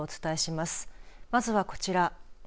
まずはこちら。